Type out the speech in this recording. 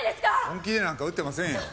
本気でなんか打ってませんよ。